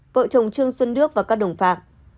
vợ chồng trương xuân đước và các đồng phạm